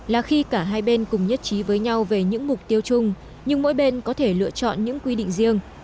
là khi cả hai bên cùng nhất trí với nhau về những mục tiêu chung nhưng mỗi bên có thể lựa chọn những quy định riêng